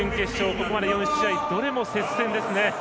ここまで４試合どれも接戦ですね。